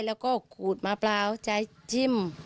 แล้วก็ขูดมะเปล่าใช้จิ้ม